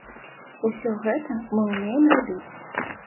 Усё гэта мы ўмеем рабіць.